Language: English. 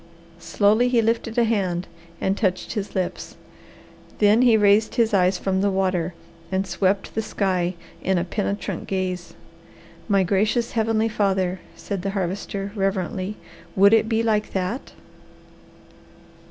Slowly he lifted a hand and touched his lips. Then he raised his eyes from the water and swept the sky in a penetrant gaze. "My gracious Heavenly Father," said the Harvester reverently. "Would it be like that?"